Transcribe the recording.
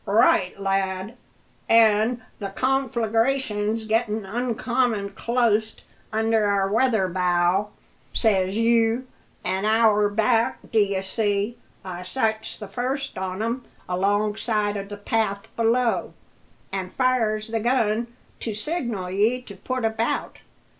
"Right, lad! an' the confleegration's gettin' uncommon clost under our weather bow; says you. An hour back, d'ye see, I sights the first on 'em alongside o' the path below, an' fires the gun to signal ye to put about.